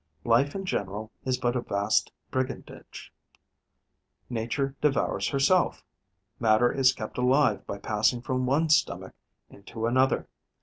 Life in general is but a vast brigandage. Nature devours herself; matter is kept alive by passing from one stomach into another.